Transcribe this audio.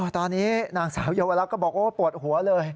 ตอนนี้นางสาวเยาวลักษณ์ก็บอกโอ้ปวดหัวเลย